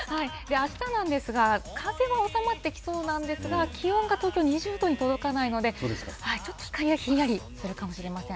あしたなんですが、風は収まってきそうなんですが、気温が東京、２０度に届かないので、ちょっとひんやりするかもしれません。